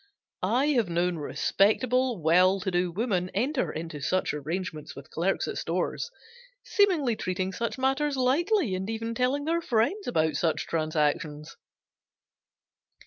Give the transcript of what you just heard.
I have known respectable, well to do women enter into such arrangements with clerks at stores, seemingly treating such matters lightly, and even telling their friends about such transactions.